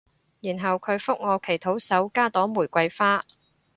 然後佢覆我祈禱手加朵玫瑰花